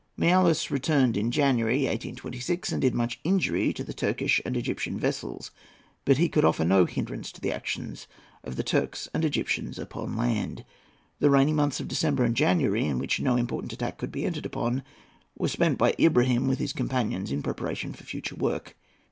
Miaoulis returned in January, 1826, and did much injury to the Turkish and Egyptian vessels. But he could offer no hindrance to the action of the Turks and Egyptians upon land. The rainy months of December and January, in which no important attack could be entered upon, were spent by Ibrahim and his companions in preparation for future work.